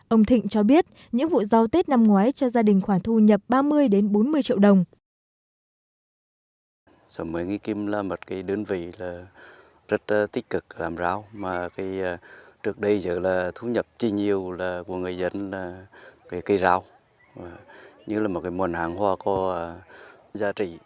ông thịnh cho biết những vụ rau tết năm ngoái cho gia đình khoản thu nhập ba mươi bốn mươi triệu đồng